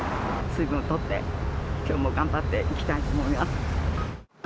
水分をとって、きょうも頑張っていきたいと思います。